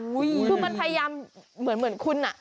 คุณมันพยายามเหมือนคุณ